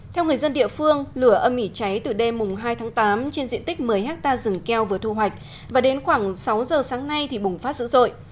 theo người dân địa phương lửa âm mỉ cháy từ đêm hai tháng tám trên diện tích một mươi hectare rừng keo vừa thu hoạch và đến khoảng sáu giờ sáng nay thì bùng phát dữ dội